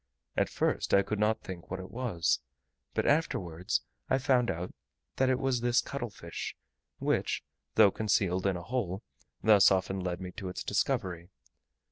At first I could not think what it was, but afterwards I found out that it was this cuttle fish, which, though concealed in a hole, thus often led me to its discovery.